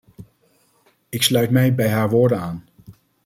Ik sluit mij bij haar woorden aan.